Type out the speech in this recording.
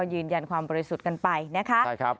ยืนยันความบริสุทธิ์กันไปนะคะ